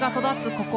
ここ